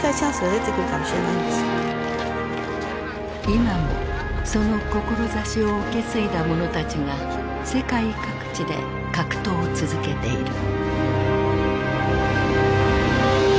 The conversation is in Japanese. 今もその志を受け継いだ者たちが世界各地で格闘を続けている。